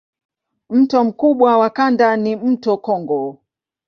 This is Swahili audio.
Mto mkubwa wa kanda ni mto Kongo.